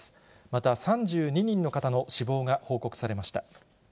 また３２人の方の死亡が報告されました。